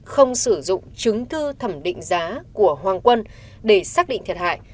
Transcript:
không sử dụng chứng thư thẩm định giá của hoàng quân để xác định thiệt hại